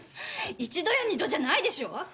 一度や二度じゃないでしょう！